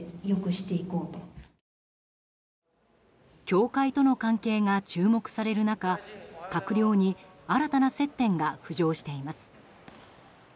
教会との関係が注目される中閣僚に新たな接点が浮上しています。